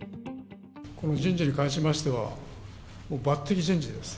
この人事に関しましては、もう抜てき人事です。